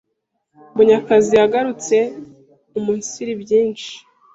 Munyakazi yagarutse umunsiri byinshi